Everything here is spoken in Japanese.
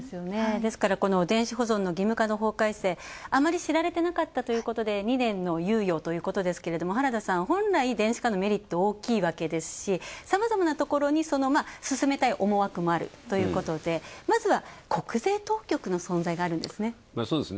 ですから、電子保存の義務化の法改正、あまり知られてなかったということで２年の猶予ということですけども原田さん、本来電子化のメリット大きいわけですし、さまざまなところに進めたい思惑もあるということで、まずは国税当局の存在があるんですね。